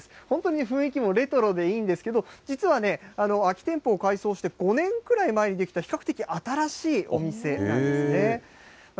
本当に雰囲気もレトロでいいんですけど、実はね、空き店舗を改装して、５年くらい前に出来た比較的新しいお店なんですね。